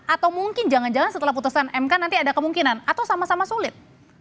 atau mungkin jangan jangan setelah putusan mk nanti ada kemungkinan atau sama sama sulit